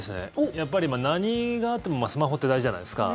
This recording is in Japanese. やっぱり何があってもスマホって大事じゃないですか。